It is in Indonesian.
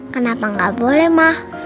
kenapa nggak boleh mas